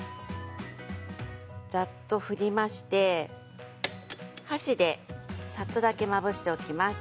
ざっと振りまして箸でざっとだけまぶしておきます。